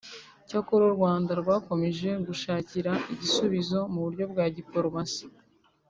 Cyakora u Rwanda rwakomeje gushakira igisubizo mu buryo bwa diporomasi